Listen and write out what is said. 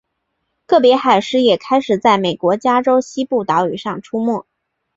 个别海狮也开始在美国加州西部岛屿上出没。